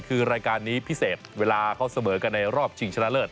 คือรายการนี้พิเศษเวลาเขาเสมอกันในรอบชิงชนะเลิศ